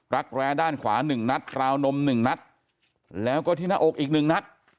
แร้ด้านขวา๑นัดราวนม๑นัดแล้วก็ที่หน้าอกอีกหนึ่งนัด